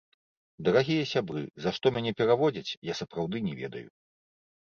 Дарагія сябры, за што мяне пераводзяць, я сапраўды не ведаю.